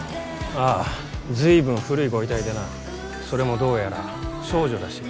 ああ随分古いご遺体でなそれもどうやら少女らしい。